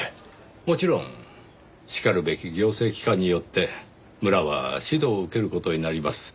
もちろんしかるべき行政機関によって村は指導を受ける事になります。